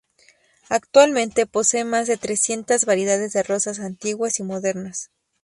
Actualmente posee más de trescientas variedades de rosas antiguas y modernas.